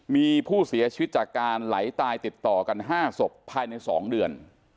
มีผู้เสียชีวิตจากการไหลตายติดต่อกัน๕ศพภายใน๒เดือน